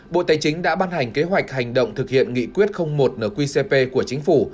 bộ tài chính đã ban hành kế hoạch hành động thực hiện nghị quyết một nqcp của chính phủ